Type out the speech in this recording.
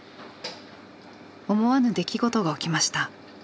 思わぬ出来事が起きました。